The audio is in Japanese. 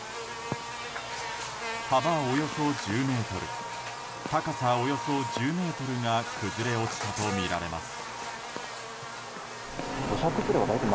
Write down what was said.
幅およそ１０ｍ高さおよそ１０ｍが崩れ落ちたとみられます。